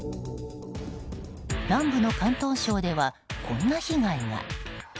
南部の広東省では、こんな被害が。